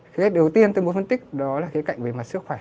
khía cạnh đầu tiên tôi muốn phân tích đó là khía cạnh về mặt sức khỏe